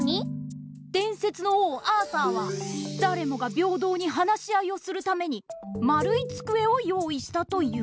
でんせつの王アーサーはだれもがびょうどうに話し合いをするためにまるいつくえを用いしたという。